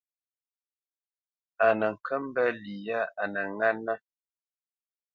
A nə kə́ mbə́ lí yâ a nə ŋánə́.